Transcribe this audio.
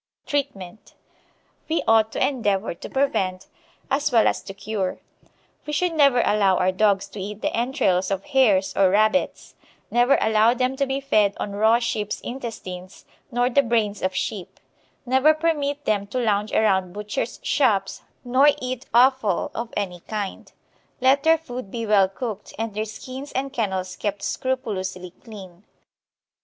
Treatment We ought to endeavour to prevent as well as to cure. We should never allow our dogs to eat the entrails of hares or rabbits. Never allow them to be fed on raw sheep's intestines, nor the brains of sheep. Never permit them to lounge around butchers' shops, nor eat offal of any kind. Let their food be well cooked, and their skins and kennels kept scrupulously clean.